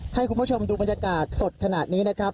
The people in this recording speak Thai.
ให้คุณผู้ชมดูบรรยากาศสดขนาดนี้นะครับ